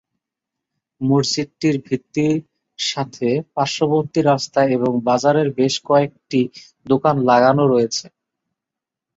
মসজিদটির ভিত্তি সাথে পার্শ্ববর্তী রাস্তা এবং বাজারের বেশ কয়েকটি দোকান লাগানো রয়েছে।